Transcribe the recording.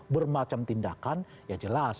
bermacam tindakan ya jelas